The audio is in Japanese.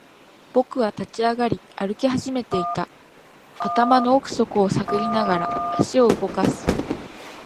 僕は立ち上がり、歩き始めていた。頭の奥底を探りながら、足を動かす。